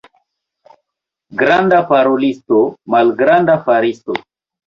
Granda parolisto, malgranda faristo.